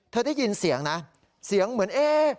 เธอได้ยินเสียงนะเสียงเหมือนเอ๊ะ